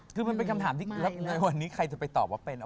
คือมันเป็นคำถามที่แล้วในวันนี้ใครจะไปตอบว่าเป็น